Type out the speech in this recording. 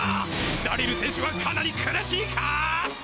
ダリルせんしゅはかなり苦しいか？